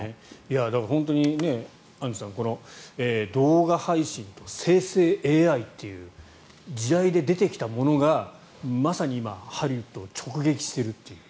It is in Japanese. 本当にアンジュさん動画配信と生成ＡＩという時代で出てきたものがまさに今、ハリウッドを直撃しているっていう。